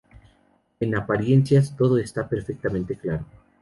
En apariencias, todo está perfectamente claro.